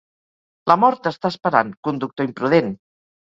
La mort t'està esperant, conductor imprudent!